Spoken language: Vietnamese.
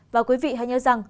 và quý vị hãy nhớ rằng